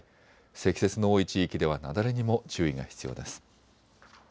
積雪の多い地域では雪崩にも注意が必要です。